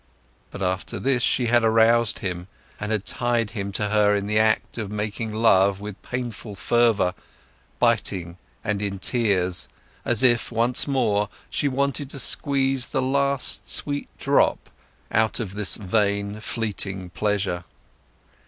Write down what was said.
But after this, she had aroused him, and had tied him to her in the act of making love with painful fervour, biting and in tears, as if, once more, she wanted to squeeze the last sweet drop out of this vain, fleeting pleasure.